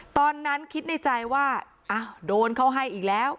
ตอนนั้นคิดในใจว่าโดนเขาให้อีกแล้ว